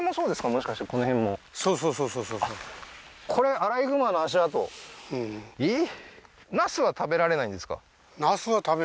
もしかしてこの辺もそうそうそうそうそうあっこれアライグマの足跡うんえっ？